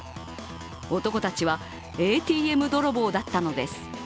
男たちはＡＴＭ泥棒だったのです。